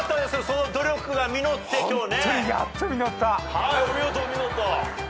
その努力が実って今日ね。